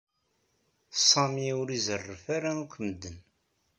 Sami ur izerref ara akk medden.